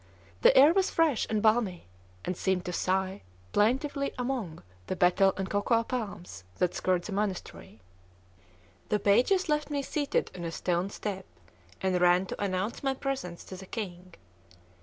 The air was fresh and balmy, and seemed to sigh plaintively among the betel and cocoa palms that skirt the monastery. The pages left me seated on a stone step, and ran to announce my presence to the king.